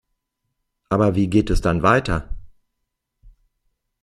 Aber wie geht es dann weiter?